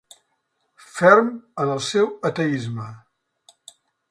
Ferm en el seu ateïsme.